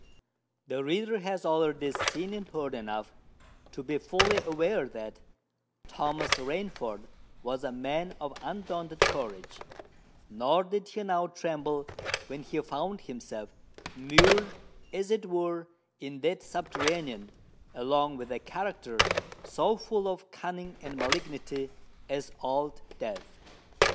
The reader has already seen and heard enough to be fully aware that Thomas Rainford was a man of undaunted courage: nor did he now tremble when he found himself immured, as it were, in that subterranean, along with a character so full of cunning and malignity as Old Death.